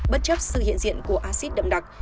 bất chấp sự hiện diện của asit đậm đặc